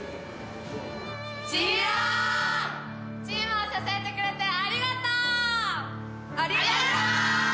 チームを支えてくれてありがとう。